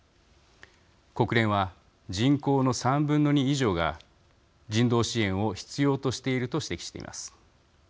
国連は人口の３分の２以上が人道支援を必要としていると指摘しています。